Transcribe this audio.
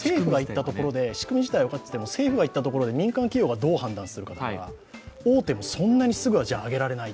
仕組み自体は分かっていても政府が言ったとしても、民間企業がどう判断するかだから大手もそんなにすぐは上げられない